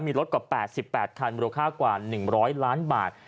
มีรถกว่า๘๘คันมูลค่ากว่า๑๐๐ล้านบาท